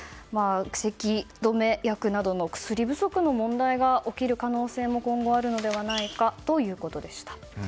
せき止め薬などの薬不足の問題が起きる可能性も今後あるのではないかということです。